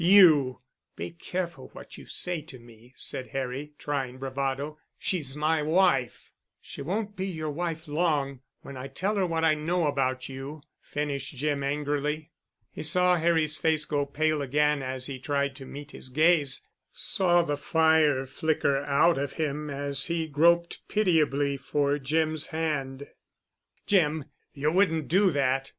You!" "Be careful what you say to me," said Harry, trying bravado. "She's my wife." "She won't be your wife long, when I tell her what I know about you," finished Jim angrily. He saw Harry's face go pale again as he tried to meet his gaze, saw the fire flicker out of him, as he groped pitiably for Jim's hand. "Jim! You—you wouldn't do that?"